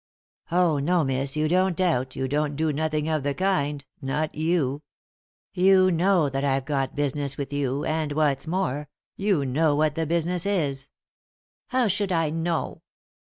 " Oh no, miss, you don't doubt, you don't do nothing of the kind ; not you. You know that I've got business with you, and, what's more, you know what the business is." " How should I know